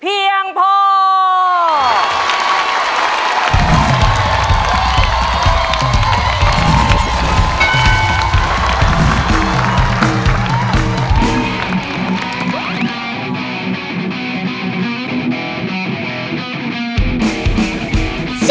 เรียกประกันแล้วยังคะ